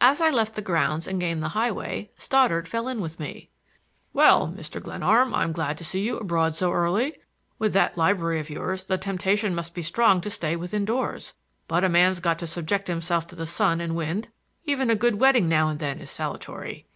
As I left the grounds and gained the highway Stoddard fell in with me. "Well, Mr. Glenarm, I'm glad to see you abroad so early. With that library of yours the temptation must be strong to stay within doors. But a man's got to subject himself to the sun and wind. Even a good wetting now and then is salutary."